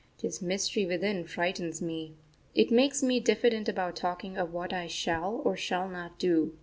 This mystery within frightens me. It makes me diffident about talking of what I shall or shall not do.